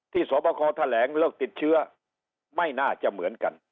สวบคอแถลงเลิกติดเชื้อไม่น่าจะเหมือนกัน